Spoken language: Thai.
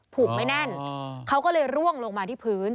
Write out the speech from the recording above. ผูกไม่แน่นเขาก็เลยร่วงลงมาที่พื้น